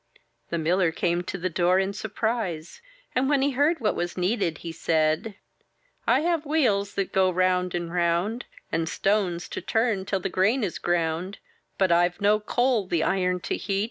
The miller came to the door in surprise; and when he heard what was needed, he said:^ — *'I have wheels that go round and round, And stones to turn till the grain is ground; But Fve no coal the iron to heat.